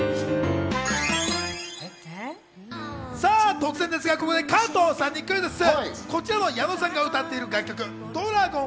突然ですが、ここで加藤さんにクイズッス。